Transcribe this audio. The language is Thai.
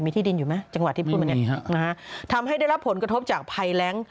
มีที่ดินอยู่ไหมจังหวัดที่พูดมาเนี่ยนะฮะทำให้ได้รับผลกระทบจากภัยแรง